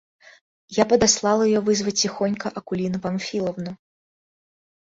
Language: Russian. Я подослал ее вызвать тихонько Акулину Памфиловну.